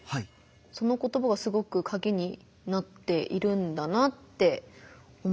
その言葉がすごくカギになっているんだなって思いました。